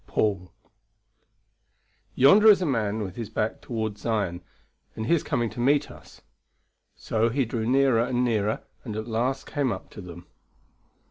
Paul. "Yonder is a man with his back toward Zion, and he is coming to meet us. So he drew nearer and nearer, and at last came up to them.